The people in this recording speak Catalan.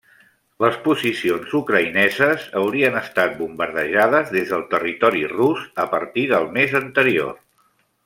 Les posicions ucraïneses haurien estat bombardejades des del territori rus a partir del mes anterior.